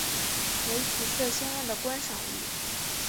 为体色鲜艳的观赏鱼。